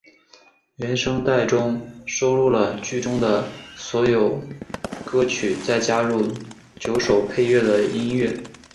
原声带中收录了剧中的所有歌曲再加入九首配乐的音乐。